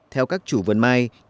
theo các chủ vườn mai